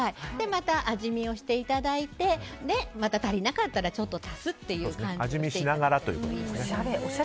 また味見をしていただいてまた足りなかったらちょっと足すという感じで。